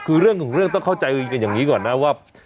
คือเรื่องของเรื่องต้องเข้าใจกันอย่างนี้ก่อนนะว่า